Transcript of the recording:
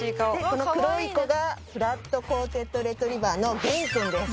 この黒い子がフラットコーテッド・レトリーバーのげん君です。